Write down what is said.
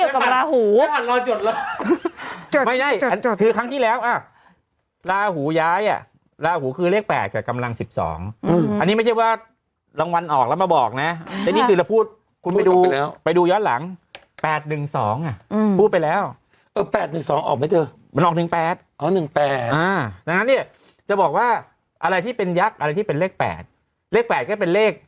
ครั้งที่แล้วอ่ะลาหูย้ายอ่ะลาหูคือเลขแปดกับกำลังสิบสองอืมอันนี้ไม่ใช่ว่ารางวัลออกแล้วมาบอกน่ะอันนี้คือเราพูดคุณไปดูไปดูย้อนหลังแปดหนึ่งสองอ่ะอืมพูดไปแล้วเออแปดหนึ่งสองออกไหมเจอมันออกหนึ่งแปดอ๋อหนึ่งแปดอ่าดังนั้นเนี้ยจะบอกว่าอะไรที่เป็นยักษ์อะไรที่เป็นเลขแปดเลขแปดก็เป็นเล